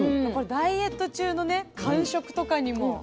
これダイエット中のね間食とかにも。